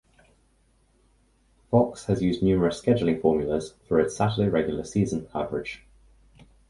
Fox has used numerous scheduling formulas for its Saturday regular season coverage.